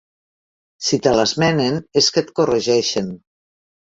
Si te l'esmenen és que et corregeixen.